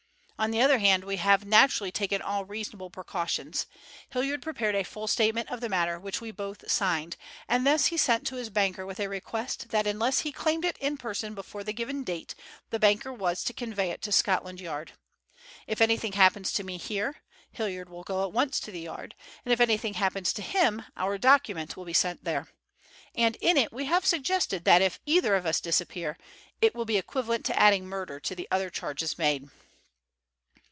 On the other hand, we have naturally taken all reasonable precautions. Hilliard prepared a full statement of the matter which we both signed, and this he sent to his banker with a request that unless he claimed it in person before the given date, the banker was to convey it to Scotland Yard. If anything happens to me here, Hilliard will go at once to the Yard, and if anything happens to him our document will be sent there. And in it we have suggested that if either of us disappear, it will be equivalent to adding murder to the other charges made."